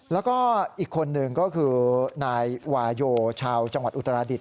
แล้วก็อีกคนหนึ่งก็คือนายวาโยชาวจังหวัดอุตราดิษ